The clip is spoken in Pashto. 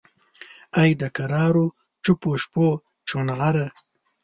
ای دکرارو چوپو شپو چونغره!